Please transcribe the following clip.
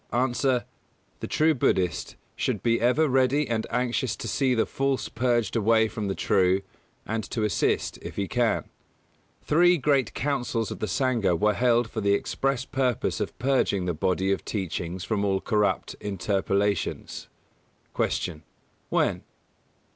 _ A. The true Buddhist should be ever ready and anxious to see the false purged away from the true, and to assist, if he can. Three great Councils of the Sangha were held for the express purpose of purging the body of Teachings from all corrupt interpolations. 192. Q. _When?